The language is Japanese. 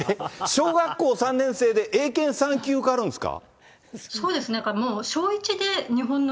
小学校３年生で英検３級受かるんですか？